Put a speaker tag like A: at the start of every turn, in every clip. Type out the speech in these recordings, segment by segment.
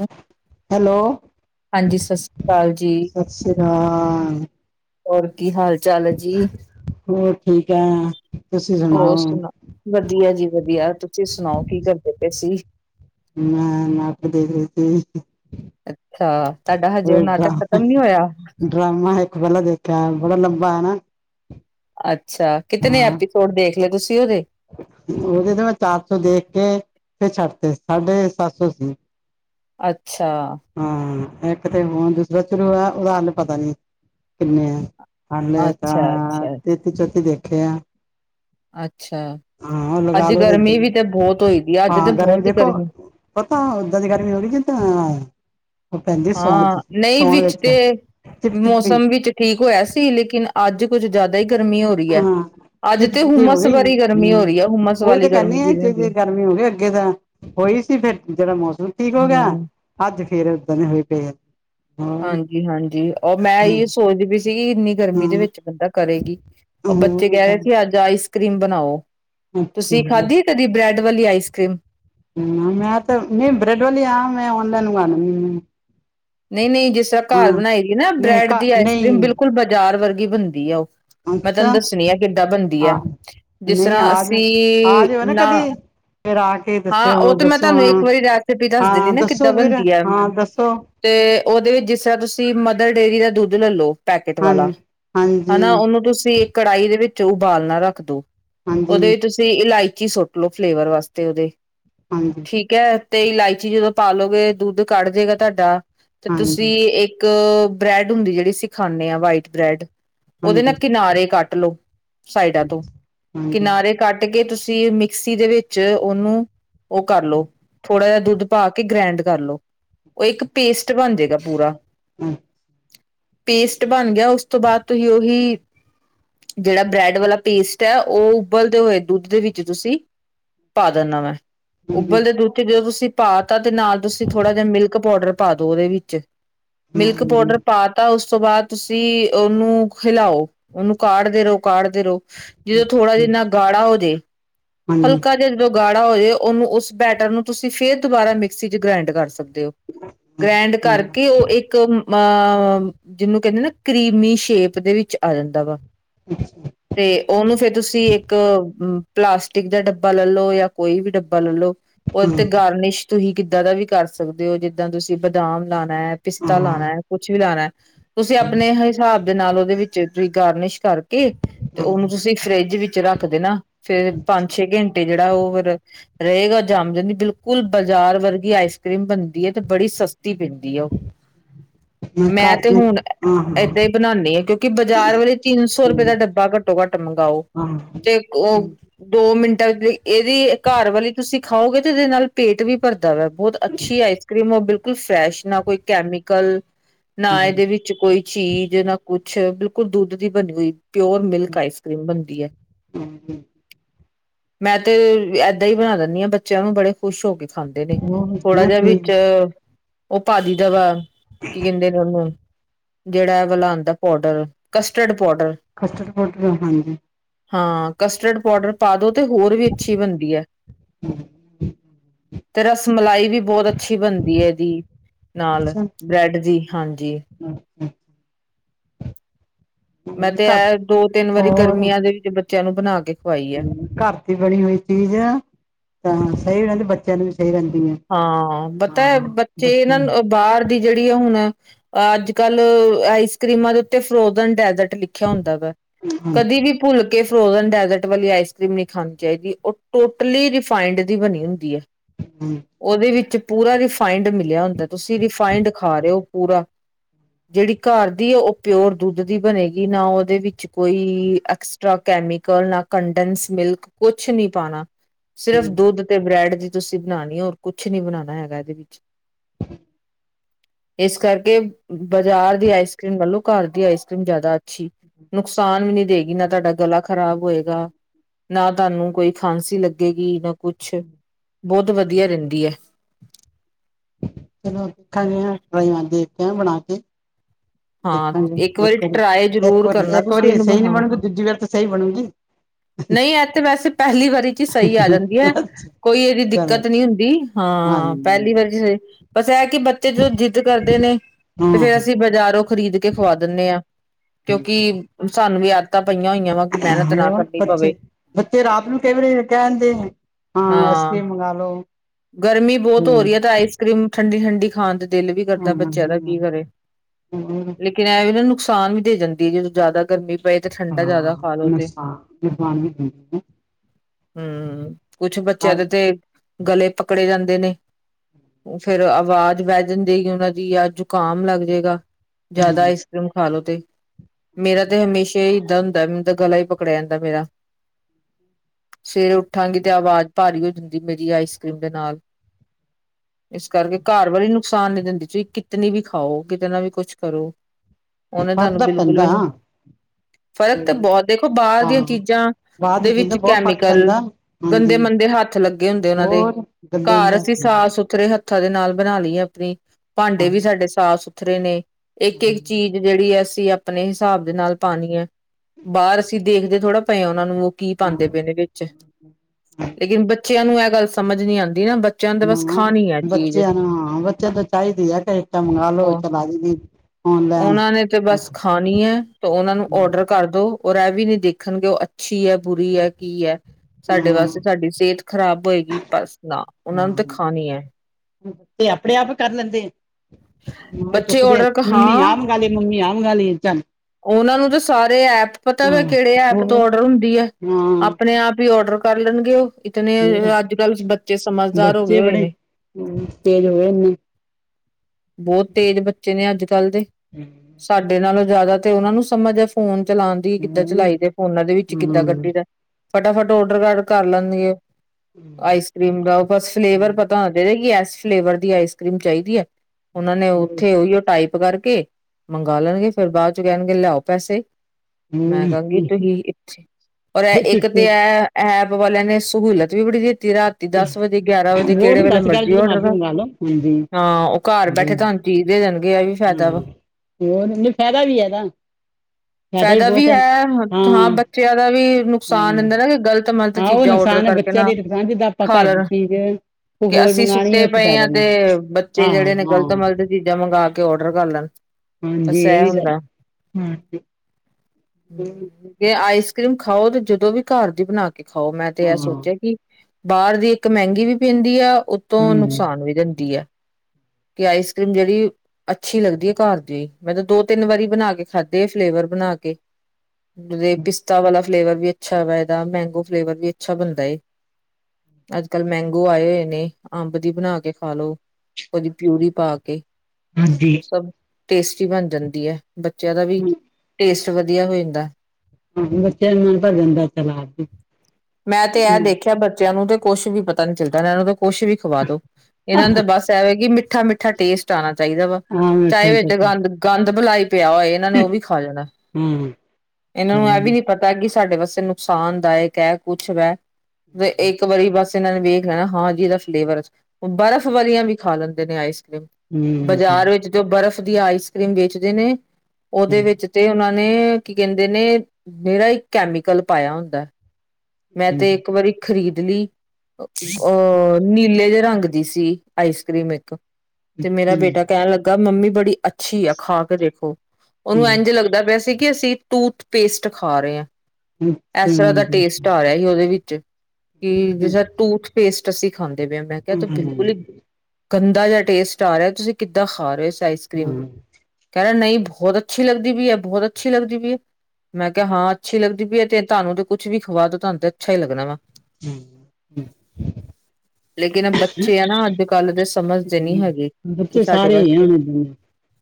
A: ਉ
B: ਹੈਲੋ।
A: ਅਕਾਲ ਜੀ
B: ਸਤਿ ਸ਼੍ਰੀ ਅਕਾਲ
A: ਹੋਰ ਕੀ ਹਾਲ-ਚਾਲ
B: ਹੋਰ ਠੀਕ ਐ, ਤੁਸੀਂ
A: ਹੋਰ
B: ਸੁਣਾਉ।
A: ਸੁਣਾ ਵਧੀਆ ਜੀ, ਵਧੀਆ ਤੁਸੀਂ ਸੁਣਾਓ ਕੀ ਕਰਦੇ ਪਏ ਸੀ?
B: ਮੈਂ ਨਾਟਕ ਦੇਖਤੀ ਸੀ।
A: ਅੱਛਾ। ਤੁਹਾਡਾ ਹਜੇ, ਉਹ ਨਾਟਕ
B: ਡਰਾਮਾ
A: ਖਤਮ ਨੀ ਹੋਇਆ?
B: ਡਰਾਮਾ ਇੱਕ ਪਹਿਲਾ ਦੇਖਿਆ, ਬੜਾ ਲੰਬਾ ਹੈਨਾ।
A: ਅੱਛਾ, ਕਿਤਨੇ ਐਪੀਸੋਡ ਦੇਖ ਲ ਤੁਸੀਂ ਉਹਦੇ?
B: ਉਹਦੇ ਤੇ ਮੈਂ ਚਾਰ ਸੌ ਦੇਖ ਕੇ ਫਿਰ ਛੱਡ ਤੇ, ਸਾਢੇ ਸੱਤ ਸੌ ਸੀ।
A: ਅੱਛਾ।
B: ਹਾਂ, ਇੱਕ ਤੇ ਹੁਣ ਦੂਸਰਾ ਸੂਰੁ ਹੋਇਆ, ਉਹਦਾ ਹੱਲੇ ਪਤਾ ਨੀ ਕਿੰਨੇ ਆ? ਹਲੇ
A: ਅੱਛਾ
B: ਤਾਂ
A: ਅੱਛਾ
B: ਤੇਤੀ-ਚੋਤੀ ਦੇਖਿਆ।
A: ਅੱਛ, ਅੱਜ ਗਰਮੀ ਵੀ ਤੇ ਬਹੁਤ ਹੋਈ ਪਈਆ, ਅੱਜ ਤੇ
B: ਹਾਂ
A: ਬਹੁਤ ਹੀ
B: ਦੇਖੋ
A: ਗਰਮੀ
B: ਪਤਾ, ਉਦਾ ਦੀ ਗਰਮੀ ਹੋਗੀ ਜਿਦਾ
A: ਹਾਂ, ਨਹੀਂ ਵਿੱਚ ਤੇ
B: ਚਿਪ ਚਿਪੀ
A: ਮੌਸਮ ਵਿੱਚ ਠੀਕ ਹੋਇਆ ਸੀ, ਲੇਕਿਨ ਅੱਜ ਕੁੱਝ ਜ਼ਿਆਦਾ ਹੀ ਗਰਮੀ ਹੋ। ਰਹੀ ਹੈ
B: ਹਾਂ,
A: ਅੱਜ ਤੇ
B: ਚਿਪ-ਚੀਪੀ
A: ਹੁਮਸ
B: ਹੋਗੀ ਹੁਣ,
A: ਵਾਲੀ ਗਰਮੀ ਹੋ
B: ਹੂੰ
A: ਰਹੀ ਹੈ ਹੁਮਸ
B: ਉਹੀ
A: ਵਾਲੀ
B: ਤਾਂ
A: ਗਰਮੀ
B: ਕਿਹਦੀਆ
A: ਜਿਵੇਂ ਹੁੰਦੀ
B: ਚਿਪ-ਚਿਪ ਗਰਮੀ ਹੋਗੀ ਅੱਗੇ ਤਾਂ ਹੋਈ ਸੀ, ਫੇਰ ਜਿਹੜਾ ਮੌਸਮ ਠੀਕ ਹੋ ਗਿਆ
A: ਹਮ
B: ਅੱਜ ਫੇਰ ਦਾਂ ਹੋਈ ਪੇਈ ਆ। ਹਾਂ
A: ਹਾਂਜੀ-ਹਾਂਜੀ, ਉਹ ਮੈਂ
B: ਹਾਂ
A: ਇਹੋ ਸੋਚਦੀ ਪੀ ਸੀਗੀ ਇੰਨੀ ਗਰਮੀ ਦੇ
B: ਹਾਂ
A: ਵਿੱਚ ਬੰਦਾ ਕਰੇ ਕੀ, ਅੱਜ ਬੱਚੇ ਕਹਿ
B: ਹੋਰ
A: ਰਹੇ ਸੀ, ਅੱਜ ਆਈਸ ਕਰ੍ਰੀਮ ਬਣਾਓ।
B: ਅੱਛਾ
A: ਤੁਸੀਂ
B: ਨਾ
A: ਖਾਧੀ ਕਦੀ ਬ੍ਰੈਡ ਵਾਲੀ ਆਈਸਕ੍ਰੀਮ?
B: ਮੈਂ ਤਾਂ ਮ ਬ੍ਰੈਡ ਵਾਲੀ, ਆ ਮੈਂ ਔਨਲਾਈਨ ਮਗਵਾਦੀ ਹੁੰਦੀਆਂ।
A: ਨਹੀਂ-ਨਹੀਂ, ਜਿਸ ਤਰ੍ਹਾਂ ਘਰ ਬਣਾਈ ਦੀ ਨਾ
B: ਨਹੀਂ
A: ਬ੍ਰੈਡ
B: ਘ
A: ਦੀ ਆਈਸ ਕਰ੍ਰੀਮ
B: ਨਹੀਂ
A: ਬਿਲਕੁਲ ਬਾਜ਼ਾਰ ਵਰਗੀ ਬਣਦੀ ਆ ਉਹ। ਮੈਂ ਤੁਹਾਨੂੰ
B: ਅੱਛਾ
A: ਦੱਸਣੀ ਆ ਕਿੱਦਾਂ ਬਣਦੀ
B: ਆ
A: ਐ, ਜਿਸ
B: ਨਹੀਂ
A: ਤਰ੍ਹਾਂ
B: ਆ ਜਾਇਓ ਆ ਜਾਇਓ
A: ਅਸੀਂ ਨਾ
B: ਕਦੇ ਫਿਰ ਆ ਕੇ
A: ਹਾਂ,
B: ਦੱਸਿਓ
A: ਉਹ
B: ਹੋਰ
A: ਤੇ ਮੈਂ
B: ਦੱਸੋ
A: ਤੁਹਾਨੂੰ
B: ਹਾਂ
A: ਇੱਕ ਵਾਰੀ ਰੈਸਪੀ ਦੱਸ ਦਿੰਦੀ
B: ਹਾਂ
A: ਨਾ
B: ਦੱਸੋ
A: ਕਿੱਦਾਂ
B: ਵੀਰ
A: ਬਣਦੀ ਐ?
B: ਹਾਂ ਦੱਸੋ
A: ਤੇ ਉਹਦੇ ਵਿੱਚ ਜਿਸ ਤਰ੍ਹਾਂ ਤੁਸੀਂ ਮਦਰ ਡੇਅਰੀ ਦਾ ਦੁੱਧ ਲੈ ਲੋ। ਪੈਕੇਟ ਵਾਲਾ
B: ਹਾਂਜੀ ਹਾਂਜੀ
A: ਹੈਨਾ ਉਹਨੂੰ ਤੁਸੀਂ ਕੜਾਹੀ ਦੇ ਵਿੱਚ ਉਬਾਲ ਨਾ ਰੱਖ ਦੋ।
B: ਹਾਂਜੀ
A: ਉਹਦੇ ਵਿਚ ਤੁਸੀਂ ਇਲਾਇਚੀ ਸੁੱਟ ਲਓ, ਫਲੇਵਰ ਵਾਸਤੇ ਉਹਦੇ
B: ਹਾਂਜੀ।
A: ਠੀਕ ਹੈ, ਤੇ ਇਲਾਇਚੀ ਜਦੋਂ ਪਾਲੋਗੇ ਦੁੱਧ ਕੱੜ ਜੇਗਾ ਤੁਹਾਡਾ। ਤੇ ਤੁਸੀਂ
B: ਹਾਂਜੀ
A: ਇੱਕ ਬ੍ਰੈਡ ਹੁੰਦੀ ਐ ਜਿਹੜੀ ਅਸੀਂ ਖਾਂਦੇ ਆ ਵਾਈਟ ਬ੍ਰੈਡ। ਉਹਦੇ ਨਾਲ
B: ਹਾਂਜੀ
A: ਕਿਨਾਰੇ ਕੱਟ ਲਓ, ਸਾਈਡਾਂ ਤੋਂ
B: ਹਾਂਜੀ ਹਾਂਜੀ
A: ਕਿਨਾਰੇ ਕੱਟ ਕੇ ਤੁਸੀਂ ਮਿਕਸੀ ਦੇ ਵਿੱਚ ਉਹਨੂੰ, ਉਹ ਕਰ ਲਓ। ਥੋੜਾ ਜਿਹਾ ਦੁੱਧ ਪਾਕੇ ਗ੍ਰੈਂਡ ਕਰ ਲੋ, ਉਹ ਇੱਕ ਪੇਸਟ ਬਣ ਜਾਏਗਾ ਪੂਰਾ।
B: ਹੂੰ।
A: ਪੇਸਟ ਬਣ ਗਿਆ। ਉਸ ਤੋਂ ਬਾਅਦ ਤੁਸੀਂ ਉਹੀ ਜਿਹੜਾ ਬ੍ਰੈਡ ਵਾਲਾ ਪੇਸਟ ਐ ਉਹ ਉਬਲਦੇ ਹੋਏ ਦੁੱਧ ਦੇ ਵਿੱਚ ਤੁਸੀਂ ਪਾ ਦੇਣਾ ਵੈ ਉਬਲ ਦੇ ਦੁੱਧ ਜਦੋਂ ਤੁਸੀਂ ਪਾ ਤਾ ਤੇ ਨਾਲ ਤੁਸੀਂ ਥੋੜਾ ਜਿਹਾ ਮਿਲਕ ਪਾਊਡਰ ਪਾ ਦੋ ਉਹਦੇ ਵਿੱਚ ਮਿਲਕ ਪਾਊਡਰ ਪਾ ਤਾਂ, ਉਸ ਤੋਂ ਬਾਅਦ ਤੁਸੀਂ ਉਹਨੂੰ ਹਿਲਾਓ ਉਹਨੂੰ ਕਾੜਦੇ ਰਹੋ-ਕਾੜਦੇ ਰਹੋ ਤਾ ਜਦੋਂ ਥੋੜਾ ਜਿਨ੍ਹਾਂ ਗਾ਼ੜਾ ਹੋ ਜਾਏ,
B: ਹਾਂਜੀ
A: ਹਲਕਾ ਜਿ ਜਦੋਂ ਗਾੜਾ ਹੋ ਜਾਵੇ ਉਹਨੂੰ ਉਸ ਬੈਟਰ ਨੂੰ ਤੁਸੀਂ ਫੇਰ ਦੁਬਾਰਾ ਮਿਕਸੀ ਚ ਗ੍ਰੈਂੰਡ ਕਰ ਸਕਦੇ ਓ।
B: [unintelligible]
A: ਗ੍ਰੈਂਡ
B: ਹਾਂਜੀ
A: ਕਰਕੇ ਉਹ ਇੱਕ ਆ ਜਿਹਨੂੰ ਕਹਿੰਦੇ ਨਾ ਕਰੀਮੀ ਸ਼ੇਪ ਦੇ ਵਿੱਚ ਆ ਜਾਂਦਾ ਵਾ।
B: ਅੱਛਾ।
A: ਤੇ ਉਹਨੂੰ ਫੇਰ ਤੁਸੀਂ, ਇੱਕ ਪਲਾਸਟਿਕ ਦਾ ਡੱਬਾ ਲੈਲੋ ਜਾਂ ਕੋਈ ਵੀ ਡੱਬਾ ਲੈਲੋ। ਉਹ ਤੇ
B: ਹਮ
A: ਗਾਰਨਿਸ਼ ਤੁਸੀਂ ਕਿੱਦਾਂ ਦਾ ਵੀ ਕਰ ਸਕਦੇ ਓ। ਜਿੱਦਾਂ ਤੁਸੀਂ ਬਦਾਮ ਲੈਣਾ ਐ
B: ਹਾਂ
A: ਪਿਸਤਾ ਲਾਉਣਾ ਹੈ। ਕੁਛ ਵੀ ਲਾਣਾ ਤੁਸੀਂ ਆਪਣੇ ਹਿਸਾਬ ਦੇ ਨਾਲ ਉਹਦੇ ਵਿੱਚ ਤੁਸੀਂ ਗਾਰਨਿਸ਼ ਕਰਕੇ ਤੇ
B: ਹਾਂ
A: ਉਹਨੂੰ ਤੁਸੀਂ ਫਰਿੱਜ ਵਿੱਚ ਰੱਖਦੇ ਨਾ ਫੇਿਰ ਪੰਜ-ਛੇ ਘੰਟੇ ਜਿਹੜਾ ਉਹ ਫਿਰ ਰਹੇਗਾ ਜਮ ਜਾਂਦੀ ਬਿਲਕੁਲ ਬਾਜ਼ਾਰ ਵਰਗੀ ਆਈਸ ਕਰ੍ਰੀਮ ਬਣਦੀ ਹੈ, ਤੇ ਬੜੀ ਸਸਤੀ ਪੈਂਦੀ ਆ ਉਹ, ਮੈਂ
B: ਘਰ
A: ਤੇ
B: ਦੇ
A: ਹੁਣ
B: ਹਾਂ ਹਾਂ
A: ਇਏਦਾਂ ਹੀ ਬਣਾਉਦੀ ਹਾਂ, ਕਿਉਂਕਿ ਬਾਜ਼ਾਰ ਵਾਲੇ ਤਿੰਨ ਸੌ ਰੁਪਏ ਦਾ ਡੱਬਾ ਘੱਟੋ ਘੱਟ ਮੰਗਓ,
B: ਹਾਂ
A: ਤੇ ਔ ਹ ਦੋ ਮਿੰਟਾਂ ਵਿੱਚ, ਇਹਦੀ ਘਰ ਵਾਲੀ ਤੁਸੀਂ ਖਾਓਗੇ, ਤੇ ਇਹਦੇ ਨਾਲ ਪੇਟ ਵੀ ਭਰਦਾ ਵਾ, ਬਹੁਤ ਅੱਛੀ ਆ ਕ੍ਰੀਮ ਉਹ ਬਿਲਕੁਲ ਫਰੈਸ਼, ਨਾ ਕੋਈ ਕੈਮੀਕਲ, ਨਾ ਇਹਦੇ ਵਿੱਚ ਨਾ ਕੋਈ ਚੀਜ਼, ਨਾ ਕੁਛ, ਬਿਲਕੁਲ ਦੁੱਧ ਦੀ ਬਣੀ ਹੋਈ। ਪਿਓਰ ਮਿਲਕ ਆਈਸ ਕਰ੍ਰੀਮ ਬਣਦੀ ਹੈ, ਮੈਂ ਤੇ ਏਦਾਂ ਹੀ ਬਣਾ ਦਿੰਦੀ ਹਾਂ ਬੱਚਿਆਂ ਨੂੰ, ਬੜੇ ਖੁਸ਼ ਹੋ ਕੇ ਖਾਂਦੇ ਨੇ, ਥੋੜਾ ਜਿਹਾ ਵੀ ਉਹ ਪਾਦੀ ਦਾ ਵਾ, ਕੀ ਕਹਿੰਦੇ ਨੇ ਉਹਨੂੰ ਜਿਹੜਾ ਐ ਵਾਲਾ ਆਉਦਾ powder, custard powder.
B: Custard powder, ਹਾਂਜੀ
A: ਹਾਂ ਕਸਟਡ ਪਾਊਡਰ ਪਾ ਦੋ ਤੇ ਹੋਰ ਵੀ ਅੱਛੀ ਬਣਦੀ ਹੈ, ਤੇ ਰਸ ਮਲਾਈ ਵੀ ਬਹੁਤ ਅੱ ਅੱਛੀ ਬਣਦੀ ਹੈ ਇਹਦੀ, ਨਾਲ ਬ੍ਰੈਡ ਦੀ, ਹਾਂਜੀ।
B: ਹੂ ਹੂ
A: ਮੈਂ ਤੇ
B: ਅੱਛਾ
A: ਇਹ, ਦੋ ਤਿੰਨ ਵਾਰੀ
B: ਹੋਰ
A: ਗਰਮੀਆਂ ਦੇ ਵਿੱਚ ਬੱਚਿਆਂ ਨੂੰ ਬਣਾ ਕੇ। ਖਵਾਈ ਹੈ
B: ਘਰ ਦੀ ਬਣੀ ਹੋਈ ਚੀਜ਼, ਤਾਂ ਸਹੀ ਰਹਿੰਦੀ, ਬੱਚਿਆਂ ਨੂੰ ਵੀ ਸਹੀ ਰਹਿੰਦੀ ਹੈ।
A: ਹਾਂ ਪਤਾ, ਬੱਚੇ ਇਹਨਾਂ ਨੂੰ ਬਾਹਰ ਦੀ ਜਿਹੜੀ ਆ ਹੁਣ, ਅੱਜ ਕੱਲ ਆਈਸ ਕਰ੍ਰੀਮਾਂ ਦੇ ਉੱਤੇ ਫਰੋਜਨ ਡੈਜ਼ਰਟ ਲਿਖ ਲਿਖਿਆ ਹੁੰਦਾ ਵੈ,
B: ਹਾਂਜੀ
A: ਕਦੀ ਵੀ ਭੁੱਲ ਕੇ ਫਰੋਜਨ ਡੈਜ਼ਰਟ ਵਾਲੀ ਆਈਸ ਕਰ੍ਰੀਮ ਨੀ ਖਾਣੀ ਚਾਹੀਦੀ, ਉਹ ਟੋਟਲੀ ਰਿਫਾਈਨਡ ਦੀ ਬਣੀ ਹੁੰਦੀ ਹੈ।
B: ਹੂ
A: ਉਹਦੇ ਵਿੱਚ ਪੂਰਾ ਰਿਫਾਇੰਡ ਮਿਲਿਆ ਹੁੰਦਾ, ਤੁਸੀਂ ਰਿਫਾਇੰਡ ਖਾ ਰਹੇ ਹੋ ਪੂਰਾ। ਜਿਹੜੀ ਘਰ ਦੀ ਆ, ਉਹ ਪਿਓਰ ਦੁੱਧ ਦੀ ਬਣੇਗੀ, ਨਾ ਉਹਦੇ ਵਿੱਚ ਕੋਈ ਐਕਸ ਕੈਮੀਕਲ, ਨਾ ਕੰਡੈਂਸ ਮਿਲਕ, ਕੁਛ ਨਹੀਂ ਪਾਉਣਾ। ਸਿਰਫ਼ ਦੁੱਧ ਤੇ ਬ੍ਰੈਡ ਦੀ ਤੁਸੀਂ ਬਣਾਉਣੀ ਹੋ, ਹੋਰ ਕੁਛ ਨਹੀਂ ਬਣਾਉਣਾ ਹੈਗਾ, ਇਹਦੇ ਵਿੱਚ। ਇਸ ਕਰਕੇ ਬਜ਼ਾਰ ਦੀ ਆਈਸ ਕਰ੍ਰੀਮ ਨਾਲੋਂ, ਘਰ ਦੀ ਆਈਸ ਕਰ੍ਰੀਮ ਜਿਆਦਾ ਅੱਛੀ। ਨੁਕਸਾਨ ਵੀ ਨਹੀਂ ਦੇਗੀ, ਨਾ ਤੁਹਾਡਾ ਗਲਾ ਖ਼ਰਾਬ ਹੋਏਗਾ। ਨਾ ਤੁਹਾਨੂੰ ਕੋਈ ਖਾਂਸੀ ਲੱਗੇਗੀ, ਨਾ ਕੁਛ ਬਹੁਤ ਵਧੀਆ ਰਹਿੰਦੀ ਹੈ।
B: ਚਲੋ ਦੇਖਾਂਗੇ, ਟਰਾਈ, ਦੇਖਦੇ ਆਂ ਬਣਾ ਕੇ।
A: ਹਾਂ,
B: ਦੇਖਾਂਗੇ
A: ਇੱਕ ਵਾਰੀ ਟਰਾਏ
B: ਇੱਕ
A: ਜ਼ਰੂਰ
B: ਵਾਰੀ
A: ਕਰਨਾ
B: ਇੱਕ
A: ਤੁਸੀਂ,
B: ਵਾਰੀ
A: ਇਹਨੂੰ
B: ਸਹੀ ਨੀ
A: ਹਾਂ
B: ਬਣੂਗੀ ਦੂਜੀ ਵਾਰ ਤਾਂ ਸਹੀ ਬਣੂਗੀ
A: ਨਹੀਂ ਇਹ ਤੇ, ਵੈਸੇ ਪਹਿਲੀ ਵਾਰੀ ਚੀ ਸਹੀ ਆ ਜਾਂਦੀ ਹੈ। ਕੋਈ ਇਹਦੀ
B: ਚਲੋ
A: ਦਿੱਕਤ ਨਹੀਂ ਹੁੰਦੀ, ਹਾਂ
B: ਹਾਂਜੀ
A: ਪਹਿਲੀ ਵਾਰੀ, ਬਸ ਇਹ ਕਿ ਬੱਚੇ ਜਦੋ ਜਿੱਦ ਕਰਦੇ ਨੇ ਤੇ
B: ਹਾਂ
A: ਫੇਰ ਅਸੀਂ ਬਾਜ਼ਾਰੋਂ ਖਰੀਦ ਕੇ ਖਵਾ ਦਿੰਦੇ ਆਂ, ਕਿਉਂਕਿ ਸਾਨੂੰ ਵੀ ਆਦਤਾਂ ਪਈਆਂ ਹੋਈਆਂ ਵਾ। ਕਿ ਮਿਹਨਤ ਨਾ ਕਰਨੀ
B: ਬੱਚੇ,
A: ਪਵੇ
B: ਬੱਚੇ ਰਾਤ ਨੂੰ ਕਈ ਵਾਰੀ ਕਹਿ ਦਿੰਦੇ ਹਾਂ, ਆਈਸ
A: ਹਾਂ।
B: ਕ੍ਰੀਮ ਮੰਗਾ ਲੋ।
A: ਗਰਮੀ ਬਹੁਤ
B: ਹੂੰ
A: ਹੋ ਰਹੀ ਹੈ, ਤਾਂ ਆਈਸ ਕਰ੍ਰੀਮ ਠੰਡੀ ਠੰਡੀ ਖਾਣ ਦਿਲ ਵੀ
B: ਹੂ
A: ਕਰਦਾ
B: ਹੂ
A: ਬੱਚਿਆਂ ਦਾ
B: ਹੂ
A: ਕੀ ਕਰੇ।
B: ਹੂ ਹੋਰ
A: ਲੇਕਿਨ ਇਹ ਐ ਨਾ, ਇਹ ਨੁਕਸਾਨ ਵੀ ਦੇ ਜਾਂਦੀ ਹੈ, ਜਦੋਂ ਜ਼ਿਆਦਾ ਗਰਮੀ ਪਏ ਤੇ ਠੰਡਾ ਜ਼ਿਆਦਾ
B: ਹਾਂ,
A: ਖਾ ਲੋ
B: ਨੁਕਸਾਨ ਤੇ ਬਾਦ ਵੀ
A: ਹੂ, ਕੁਛ ਬੱਚਿਆਂ ਦੇ ਤੇ, ਗਲੇ ਪਕੜੇ ਜਾਂਦੇ ਨੇ। ਔ ਫਿਰ ਆਵਾਜ਼ ਬਹਿ ਜਾਂਦੀ ਉਹਨਾਂ ਦੀ, ਯਾ ਜ਼ੁਕਾਮ ਲੱਗ ਜਾਏਗਾ। ਜ਼ਿਆਦਾ ਆਈਸ ਕਰ੍ਰੀਮ ਖਾ ਲੋ ਤੇ, ਮੇਰਾ ਤੇ ਹਮੇਸ਼ਾ ਹੀ ਇੱਦਾਂ ਹੁੰਦਾ, ਮੇਰਾ ਤੇ ਗਲਾ ਹੀ ਪਕੜਿਆ ਜਾਂਦਾ ਮੇਰਾ, ਸਵੇਰੇ ਉੱਠਾਂਗੀ ਤੇ ਆਵਾਜ਼ ਭਾਰੀ ਹੋ ਜਾਂਦੀ। ਹੋ ਜਾਂਦੀ ਮੇਰੀ, ਆਈਸ ਕਰ੍ਰੀਮ ਦੇ ਨਾਲ, ਇਸ ਕਰਕੇ ਘਰ ਵਾਲੀ ਨੁਕਸਾਨ ਨੁਕਸਾਨ ਨੀ ਦਿੰਦੀ ਜੀ, ਕਿਤਨੀ ਵੀ ਖਾਓ, ਕਿਤਨਾ ਵੀ ਕੁਛ ਕਰੋ ਓਨੇ
B: ਫਰਕ
A: ਤੁਆਨੂ
B: ਤਾਂ
A: ਬਿਲਕੁਲ
B: ਪੈਂਦਾ
A: ਵੀ ਨੀ,
B: ਹਾਂ
A: ਫ਼ਰਕ ਤੇ ਬਹੁਤ, ਦੇਖੋ ਬਾਹਰ ਦੀਆਂ ਚੀਜਾਂ
B: ਬਾਅਦ
A: ਦੇ
B: ਵਿੱਚ
A: ਵਿਚ
B: ਦਿੰਦਾ ਬਹੁਤ ਫ਼ਰਕ
A: ਕੈਮੀਕਲ,
B: ਪੈਂਦਾ
A: ਗੰਦੇ,
B: ਹਾਂਜੀ
A: ਮੰੰਦੇ ਹਥ ਲਗੇ ਹੁੰਦੇ ਓਨਾਂਦੇ,
B: ਹੋਰ ਗੱਲੇ
A: ਘਾਰ
B: ਹੁੰਦੇ
A: ਅਸੀ ਸਾਫ਼ ਸੁਥ ਸੁਥਰੇ ਹੱਥਾਂ ਦੇ ਨਾਲ ਬਨਾ ਲੀਏ ਅਪਨੀ ਭਾਂਡੇ ਵੀ
B: ਹਾਂਜੀ
A: ਸਾਡੇ ਸਾਫ਼ ਸੁਥਰੇ ਨੇ ਇਕ - ਇਕ ਚੀਜ ਜੇੜੀ ਅਸੀ ਅਪਨੇ ਹਿਸਾਬ ਦੇ ਨਾਲ ਪਾਨੀ ਏ ਬਾਰ ਅਸੀ ਦੇਖਦੇ ਥੋੜਾ ਪਏ ਆਂ ਓਨਾਂ ਨੂ ਓ ਕੀ
B: ਹਾਂ
A: ਪਾਂਦੇ ਪਏ ਨੇ ਵਿਚ ਲੇਕਿਨ ਬਚਿਆਂ ਨੂੰ ਏ ਗਾਲ ਸਮਝ ਨੀ ਆਂਦੀ ਨਾ ਬ
B: ਨਾ ਬੱਚਿਆਂ ਨੂੰ ਹਾਂ ਬੱਚਿਆਂ ਤੋ ਚਾਹੀਦੀ ਏ ਪਲੇਟਾਂ ਮੰਗਾ ਲੋ ਅਜ ਵੀ
A: ਓਨਾ ਨੇ ਤੇ ਬਸ ਖਾਨੀ ਐ ਤੇ ਓਨਾ ਨੂੰ ਔਡਰ ਕਰ ਦੋ ਔਰ ਏਵੀ ਨੀ ਦੇਖਨਗੇ ਓ ਅੱਛੀ ਐ ਬੁਰੀ ਐ ਕੀ ਐ। ਸਾਡੇ ਵਾਸਤੇ ਸਾਡੀ ਸਿਹਤ ਖ਼ਰਾਬ ਹੋਏਗੀ ਬਸ ਨਾ ਓਨਾਂ ਨੂੰ ਤੇ ਖਾਨੀ ਐ।
B: ਤੇ ਆਪਣੇ ਆਪ ਕਰ ਲੈਂਦੇ।
A: [inaudible]
B: ਮਵਾਇਲ
A: ਬੱਚੇ
B: ਚੁਕਦੈ
A: ਔਡਰ
B: ਮੰਮੀ ਆ ਮੰਗਾ ਲੀਏ ਮੰਮੀ ਆ ਮੰਗਾ ਲੀਏ ਚੱਲ
A: ਓਨਾਂ ਨੂੰ ਤਾ ਸਾਰੇ ਐਪ ਪਤਾ
B: ਹਾਂ
A: ਵੇ ਕਿਹੜੇ ਐਪ ਤੋ
B: ਹੋਰ
A: ਔਡਰ ਹੁੰਦੀ ਐ
B: ਹਾਂ
A: ਆਪਣੇ ਆਪ ਈ ਔਡਰ ਕਰ ਲੈਨਗੇ ਓ ਇਤਨੇ
B: ਹੋਰ
A: ਅੱਜ ਕੱਲ ਬੱਚੇ ਸਮਝਦਾਰ ਹੋ ਗਏ ਹੋਏ ਨੇ।
B: ਹੂੰ ਤੇਜ ਹੋ ਗਏ ਨੇ।
A: ਬੋਤ ਤੇਜ ਬੱਚੇ ਨੇ ਅਜ ਕਲ ਦੇ।
B: [inaudible]
A: ਸਾਡੇ ਨਾਲੋ ਜਿਆਦਾ ਤੇ ਓਨਾਂ ਨੂ ਸਮਝ ਏ। ਫੋਨ ਚਲਾਨ ਦੀ ਕਿਦਾ
B: ਹੂੰ
A: ਚਲਾਈ ਦੇ ਫੋਨਾ ਦੇ ਵਿਚ ਕਿਦਾਂ
B: ਹੂੰ
A: ਕੱਢੀ ਦਾ ਫਟਾਫਟ ਔਡਰ ਕਡ ਕਰ ਲੈਂਦੀ ਆਈਸ ਕ੍ਰੀਮ ਦਾ ਬਸ ਫਲੇਵਰ ਪਤਾ ਹੋਨੇ ਚਾਹੀਦੇ ਕਿ ਏਸ ਫਲੇਵਰ ਦੀ ਆਈਸ ਕ੍ਰੀਮ ਚਾਹੀਦੀ ਏ। ਓਨਾਂ ਨੇ ਓਥੇ ਓਈ ਓ ਟਾਈਪ ਕਰਕੇ ਮੰਗਾ ਲੈਨਗੇ ਫੇਰ ਬਾਦ 'ਚੋ ਕਹਿਨ ਗੇ ਲਿਆਓ ਪੈਸੇ। ਮੈਂ ਕਹਾਂਗੀ
B: ਹੂੰ
A: ਤੁਹੀ ਇਥ ਔਰ ਐ ਏਕ ਤੇ ਐ। ਐਪ ਵਾਲੇ ਨੇ ਸੂਹਲਤ ਵੀ ਬੜੀ ਦਿਤੀ ਰ ਦਸ ਵਜੇ, ਗਿਆਰਾਂ ਵਜੇ
B: ਹੋਰ
A: ਕਿਹੜੇ ਵੇਲੇ
B: ਦਸ ਗੱਲ
A: ਮਰਜੀ
B: ਜਿਹੜੀ
A: ਔਡਰ
B: ਮਰਜ਼ੀ
A: ਦੋ
B: ਮੰਗਾ ਲੋ ਹਾਂਜੀ
A: ਹਾਂ ਓ ਘਰ ਬੈਠੇ ਤੁ
B: ਹੂੰ
A: ਚੀਜ ਦੇ ਦੇਨਗੇ ਏ ਵੀ ਫੈਦਾ ਵਾ।
B: ਹੋਰ ਨਹੀਂ ਫਾਇਦਾ ਵੀ ਇਹਦਾ
A: ਫਹਿਦਾ ਵੀ ਹੈ ਹਾਂ ਬੱਚਿਆਂ ਦਾ ਵੀ ਨੁਕਸਾਨ
B: ਹੂੰ
A: ਹੁੰਦਾ ਨਾ ਕਿ ਗਲਤ ਮਲ
B: ਹਾਂ ਓ ਨੁਕਸਾਨ ਹੈ ਬੱਚਿਆਂ ਲਈ ਨੁਕਸਾਨ ਜਿਦਾ ਆਪਾ ਘਾਰ ਦੀ
A: ਲੈਣ
B: ਚੀਜ
A: ਕਿ ਅਸੀ ਸੁੱਤੇ ਪਏ ਆਂ ਤੇ ਬੱਚੇ
B: ਹਾਂ
A: ਜਿਹੜੇ ਨੇ
B: ਹਾਂ
A: ਗਲਤ ਮਲਤ ਚੀਜਾਂ ਮੰਗਾ ਕੇ ਔਡਰ ਕਰ ਲੈਨ
B: ਹਾਂਜੀ ਏਹੀ ਗਲ ਹਾਂਜੀ।
A: ਜੇ ਆਈਸ ਕ੍ਰੀਮ ਖਾਓ ਤੇ ਜਦੋ ਵੀ ਘਾਰ ਦੀ ਬਨਾ ਕੇ ਖਾਓ ਮੈ ਤੇ ਏ
B: ਹਾਂ
A: ਸੋਚਿਆ ਕਿ ਬਾਰ ਦੀ ਇਕ ਮਹਿੰਗੀ ਵੀ ਪੈਂਦੀ ਆ ਉਤੋਂ
B: ਹੂੰ
A: ਨੁਕਸਾਨ ਵੀ ਦੇਂਦੀ ਐ। ਕਿ ਆਈਸ ਕ੍ਰੀਮ ਜਿਹੜੀ ਅੱਛੀ ਲਗਦੀ ਘਾਰ ਦੀ ਮੈਂ ਤਾਂ ਦੋ ਤਿੰਨ ਵਾਰੀ ਬਨਾ ਕੇ ਖਾਧੀ ਏ ਫਲੇਵਰ ਬਨਾ ਕੇ ਪਿਸਤਾ ਵਾਲਾ ਫਲੇਵਰ ਵੀ ਅੱਛਾ ਹੈਗਾ ਏਦਾ ਮੈਂਗੋ ਫਲੇਵਰ ਵੀ ਅੱਛਾ ਬਨਦਾ ਏ। ਅੱਜ ਕੱਲ ਮੈਂਗੋ ਆਏ ਹੋਏ ਨੇ ਅੰਬ ਦੀ ਬਨਾ ਕੇ ਖਾ ਲੋੋ। ਓਦੀ ਪਿਊਰੀ ਪਾ ਕੇ
B: ਹਾਂਜੀ
A: ਸਬ ਟੇਸਟੀ ਬਨ ਜਾਂਦੀ ਐ ਬੱਚਿਆਂ ਦਾ ਵੀ ਟੇਸਟ ਵਧੀਆ ਹੋ ਜਾਂਦਾ।
B: [unintelligible]
A: ਮੈਂ ਤੇ ਏ ਦੇਖਿਆ ਬੱਚਿਆਂ ਨੂ ਤੇ ਕੁਛ ਨੀ ਪਤਾ ਪਤਾ ਨੀ ਚੱਲਦਾ ਏਨਾ ਨੂ ਕੁਛ ਵੀ ਖਵਾ ਦੋ ਏਨਾ ਦਾ ਬਸ ਏਵੇ ਕਿ ਮਿੱਠਾ- ਮਿੱਠਾ ਟੇਸਟ ਜਾਣਾ ਚਾਹੀਦਾ ਵਾ
B: ਹਾਂ
A: ਚਾਏ
B: ਬੈਠਾ
A: ਵਿਚ
B: ਬੈਠਾ
A: ਗੰਦ ਗੰਦ ਬਲਾ ਈ ਪਿਆ ਹੋਏ ਏਨਾ ਨੇ ਓਵੀ ਖਾ ਜਾਣੈ
B: ਹਾਂ
A: ਏਨਾ
B: ਹਾਂ
A: ਨੂੰ ਏਵੀ
B: ਹੂੰ
A: ਨੀ ਪਤਾ ਕਿ ਸਾਡੇ ਵਾਸਤੇ ਨੁਕਸਾਨਦਾਇਕੈ ਕੁਛ ਵੈ ਏਕ ਵਾਰੀ ਬਸ ਏਨਾ ਨੇ ਵੇਖ ਲੈਣਾ ਹਾਂ ਜੀ ਏਦਾ ਫਲੇਵਰ ਬਰਫ਼ ਵਲੀਆਂ ਵੀ ਖਾ ਲੈਂਦੇ ਨੇ ਆਈਸ ਕਰੀਮ
B: ਹੂੰ ਹੂੰ
A: ਬਾਜਾਰ ਵਿਚ ਜੋ ਬਰਫ਼ ਦੀ ਆਈਸ ਕਰੀਮ ਵੇਚਦੇ ਨੇ ਓਦੇ ਵਿਚ ਤੇ ਓਨਾਂ ਨੇ ਕੀ ਕਹਿੰਦੇ ਨੇ ਨੀਰਾ ਈ ਕੈਮੀਕਲ ਪਾਇਆ ਹੁੰਦਾ। ਮੈਂ ਤੇ ਇੱਕ ਵਰੀ ਖ਼ਰੀਦ ਲਈ ਅਹ ਨੀਲੇ ਜਿਹੇ ਰੰਗ ਦੀ ਸੀ ਆਈਸ ਕਰ੍ਰੀਮ ਇੱਕ ਤੇ
B: ਅੱਛਾ
A: ਮੇਰਾ ਬੇਟਾ ਕਹਿਣ ਲੱਗਾ ਮੰਮੀ ਬੜੀ ਅੱਛੀ ਆ ਖਾ ਕੇ ਦੇਖੋ। ਉਹਨੂੰ ਇੰਝ ਲੱਗਦਾ ਪਿਆ ਸੀ ਕਿ ਅਸੀ ਟੂਥਪੇਸਟ ਖਾ ਰਹੇ ਹਾਂ। ਏਸ ਤਰ੍ਹਾਂ ਦਾ ਟੇਸਟ ਆ ਰਿਹਾ ਸੀ ਉਹਦੇ ਵਿੱਚ ਕਿ ਜਿਸਰਾ ਟੂਥ ਪੇਸਟ ਅਸੀਂ ਖਾਂਦੇ ਪਏ ਹਾਂ। ਮੈਂ ਕਿਹਾ ਤੂੰ
B: ਅੱਛਾ
A: ਬਿਲਕੁਲ ਹੀ ਗੰਦਾ ਜਾਂ ਟੇਸਟ ਆ ਰਿਹਾ ਹੈ, ਤੁਸੀਂ ਕਿੱਦਾਂ ਖਾ ਰਹੇ ਹੋ ਇਸ ਆਈਸ ਕਰ੍ਰੀਮ
B: ਹਾਂ
A: ਨੂੰ ਕਹ ਰਹੇਆ ਨਹੀ, ਬਹੁਤ ਅੱਛੀ ਲੱਗਦੀ ਪਈ ਹੈ, ਬਹੁਤ ਅੱਛੀ ਲੱਗਦੀ ਪਈ ਹੈ। ਮੈਂ ਕਿਹਾ ਹਾਂ ਅੱਛੀ ਲੱਗਦੀ ਪਈ ਏ ਤੇ ਤੁਹਾਨੂੰ ਤੇ ਕੁੱਛ ਵੀ ਖਵਾ ਦੋ, ਤੁਹਾਨੂੰ ਤੇ ਅੱਛਾ ਹੀ ਲੱਗਣਾ ਵਾ।
B: ਹੂੰ।
A: ਲੇਕਿਨ ਏ ਬੱਚੇ ਆ ਨਾ ਅੱਜ ਕੱਲ ਦੇ, ਸਮਝਦੇ ਨਹੀ ਹੈਗੇ। ਕਿ
B: ਬੱਚੇ
A: ਸਾਡੇ
B: ਸਾਰੇ ਹੀ ਹੈ
A: ਵਾਸਤੇ
B: ਹੁਣ ਏਦਾਂ ਦੇ।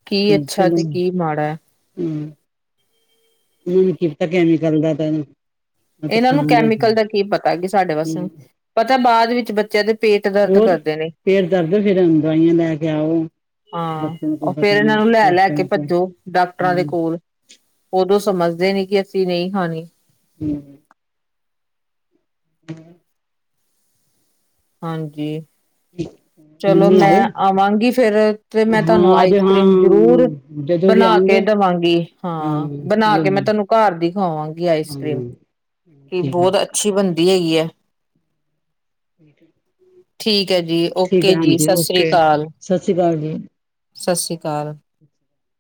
A: ਕੀ ਅੱਛਾ, ਤੇ ਕੀ ਮਾੜਾ ਹੈ।
B: ਹੂੰ ਕੀ ਪਤਾ ਕੈਮੀਕਲ ਦਾ ਤੁਹਾਨੂੰ
A: ਇਹਨਾਂ ਨੂੰ ਕੈਮੀਕਲ ਦਾ ਕੀ ਪਤਾ ਕਿ ਸਾਡੇ ਵਾਸਤੇ, ਪਤਾ ਬਾਦ ਵਿੱਚ ਬੱਚਿਆਂ ਦੇ ਪੇਟ ਦਰਦ
B: ਹੋਰ
A: ਕਰਦੇ ਨੇ
B: ਫੇਰ ਦਰਦ, ਫੇਰ ਹੁਣ ਦਵਾਈਆਂ ਲੈ ਕੇ ਆਓ।
A: ਹਾਂ
B: ਬੱਚਿਆਂ ਨੂੰ
A: ਉਹ
B: ਕੋਈ
A: ਫੇਰ
B: ਪਤਾ
A: ਇਹਨਾਂ
B: ਨੀ
A: ਨੂੰ ਲੈ ਲੈ ਕੇ
B: ਹੋਸਟਲ ਚ
A: ਭੱਜੋ ਡਾਕਟਰਾਂ ਦੇ
B: ਹੂੰ
A: ਕੋਲ ਔਦੋਂ ਸਮਝਦੇ ਨੇ ਕਿ ਅਸੀਂ ਨਹੀ ਖਾਣੀ
B: ਹੂੰ। ਹੂੰ।
A: ਹਾਂਜੀ।
B: ਠੀਕ
A: ਚਲੋ ਮੈਂ ਆਵਾਂਗੀ ਫੇਰ ਤੇ ਮੈਂ ਤੁਹਾਨੂੰ
B: ਹਾਂ ਅੱਜ
A: ਆਈਸ
B: ਹਾਂ
A: ਕਰ੍ਰੀਮ ਜ਼ਰੂਰ
B: ਜਦੋਂ ਵੀ
A: ਬਣਾ ਕੇ
B: ਆਉਗੇ
A: ਦਵਾਂਗੀ, ਹਾਂ ਬਣਾ ਕੇ ਮੈਂ ਤੁਹਾਨੂੰ ਘਰ ਦੀ ਖਾਵਾਵਾਂਗੀ ਆਈਸ ਕਰ੍ਰੀਮ
B: ਹਾਂ
A: ਕਿ
B: ਠੀਕ ਹੈ,
A: ਬਹੁਤ ਅੱਛੀ ਬਣਦੀ ਹੈਗੀ ਹੈ।
B: [unintelligible]
A: ਠੀਕ ਹੈ ਜੀ।
B: ਠੀਕ
A: ਔਕੇ
B: ਹੈ
A: ਜੀ,
B: ਹਾਂਜੀ
A: ਸਤਿ ਸ੍ਰੀ
B: ਓਕੇ
A: ਅਕਾਲ।
B: ਸਤਿ ਸ਼੍ਰੀ ਅਕਾਲ ਜੀ
A: ਸਤਿ ਸ੍ਰੀ ਅਕਾਲ।
B: [inaudible]